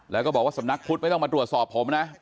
แล้วก็บอกว่าสำนักพุทธไม่ต้องมาตรวจสอบผมนะ